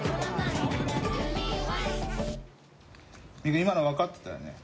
今の分かってたよね？